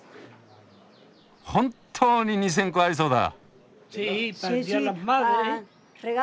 本当に２，０００個ありそうだ！